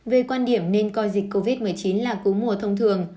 về quan điểm nên coi dịch covid một mươi chín là cú mùa thông thường